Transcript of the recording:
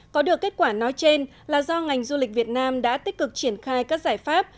có được kết quả nói trên là do ngành du lịch việt nam đã tích cực triển khai các giải pháp